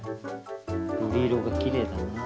瑠璃色がきれいだな。